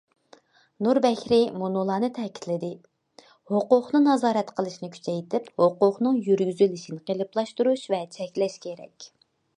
نۇر بەكرى مۇنۇلارنى تەكىتلىدى: ھوقۇقنى نازارەت قىلىشنى كۈچەيتىپ، ھوقۇقنىڭ يۈرگۈزۈلۈشىنى قېلىپلاشتۇرۇش ۋە چەكلەش كېرەك.